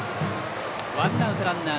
ワンアウトランナー